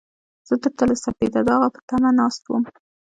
زه درته له سپېده داغه په تمه ناست وم.